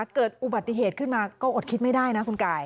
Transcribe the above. เกิดอุบัติเหตุขึ้นมาก็อดคิดไม่ได้นะคุณกาย